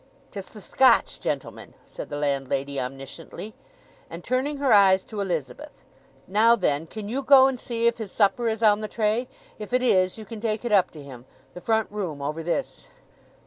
"'Tis the Scotch gentleman," said the landlady omnisciently; and turning her eyes to Elizabeth, "Now then, can you go and see if his supper is on the tray? If it is you can take it up to him. The front room over this."